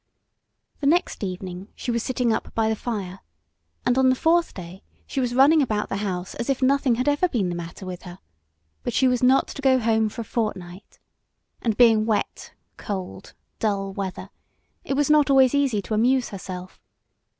The next evening she was sitting up by the fire, and on the fourth day she was running about the house as if nothing had ever been the matter with her, but she was not to go home for a fortnight; and being wet, cold, dull weather, it was not always easy to amuse herself.